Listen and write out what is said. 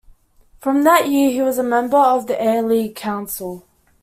From that year he was a member of the Air League Council.